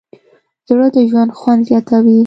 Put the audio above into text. زړه د ژوند خوند زیاتوي.